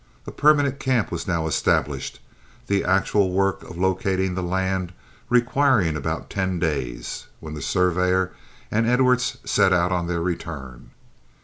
A permanent camp was now established, the actual work of locating the land requiring about ten days, when the surveyor and Edwards set out on their return.